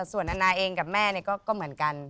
ส่วนอาณาเองกับแม่เนี่ยก็เหมือนกัน